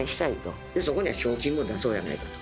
そこには賞金も出そうやないかと。